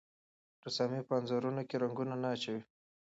رسامي په انځورونو کې رنګونه نه اچوي.